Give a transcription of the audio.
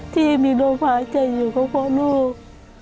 ที่ยังมีโรคหาใจอยู่กับพ่อลูก